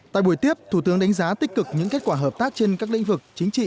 tại buổi tiếp thủ tướng đánh giá tích cực những kết quả hợp tác trên các lĩnh vực chính trị